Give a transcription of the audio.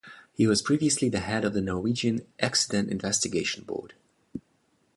He was previously the head of the Norwegian Accident Investigation Board.